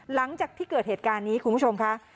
หลังจากที่เกิดเหตุการณ์นี้คุณผู้ชมค่ะ